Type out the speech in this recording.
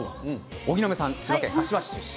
荻野目さんは千葉県柏市出身。